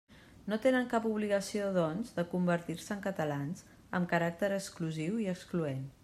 No tenen cap obligació, doncs, de convertir-se en catalans, amb caràcter exclusiu i excloent.